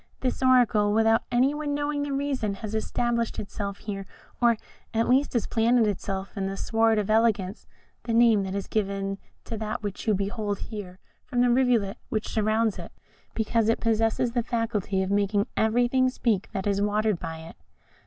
This Oracle, without any one knowing the reason, has established itself here, or at least has planted itself in the Sward of Eloquence (the name that is given to that which you behold here, from the rivulet which surrounds it, because it possesses the faculty of making everything speak that is watered by it).